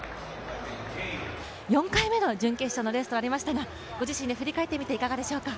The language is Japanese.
４回目の準決勝のレースとなりましたがご自身で振り返ってみていかがでしたか。